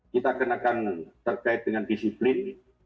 kita kenakan terkait dengan disiplin